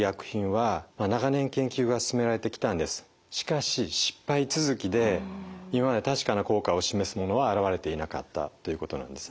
しかし失敗続きで今まで確かな効果を示すものは現れていなかったということなんですね。